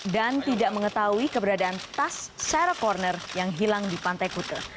dan tidak mengetahui keberadaan tas sarah connor yang hilang di pantai kute